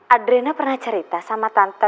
adrena pernah cerita sama tante